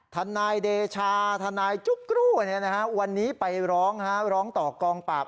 ทนายเดชาทนายจุ๊กรูวันนี้ไปร้องร้องต่อกองปราบ